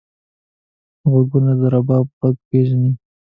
غوږونه د رباب غږ پېژني